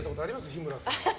日村さん。